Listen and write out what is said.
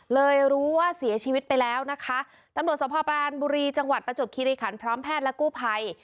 เลยรู้ว่าเสียชีวิตไปแล้วนะคะตำรวจสภปรานบุรีจังหวัดประจวบคิริขันพร้อมแพทย์และกู้ภัย